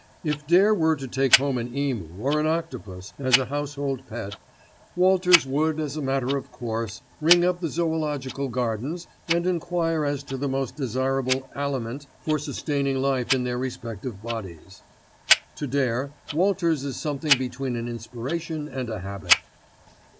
If Dare were to take home an emu or an octopus as a household pet, Walters would, as a matter of course, ring up the Zoological Gardens and enquire as to the most desirable aliment for sustaining life in their respective bodies. To Dare Walters is something between an inspiration and a habit.